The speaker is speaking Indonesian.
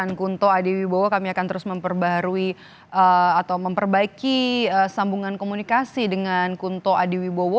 dan kunto adiwibowo kami akan terus memperbaiki sambungan komunikasi dengan kunto adiwibowo